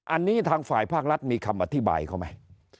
อันนี้ทางฝ่ายภาครัฐมีคำอธิบายเขาไหม